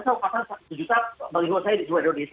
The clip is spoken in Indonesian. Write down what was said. saya mau pasang satu juta baliho saya di dua indonesia